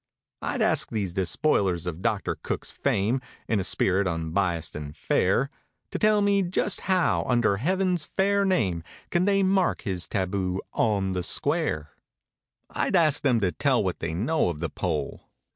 I'd ask these despoilers of Doctor Cook's fame (In a spirit unbiased and fair). To tell me just how, under heaven's fair name. Can they mark his taboo "on the square." I'd ask them to tell what they know of the pole.